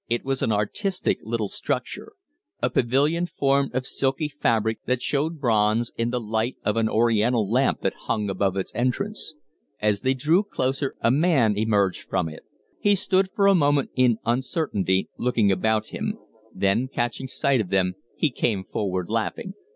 It was an artistic little structure a pavilion formed of silky fabric that showed bronze in the light of an Oriental lamp that hung above its entrance. As they drew closer, a man emerged from it. He stood for a moment in uncertainty, looking about him; then, catching sight of them, he came forward laughing.